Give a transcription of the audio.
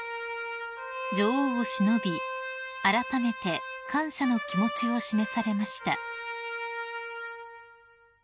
［女王をしのびあらためて感謝の気持ちを示されました］